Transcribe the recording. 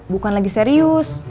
bapak lagi serius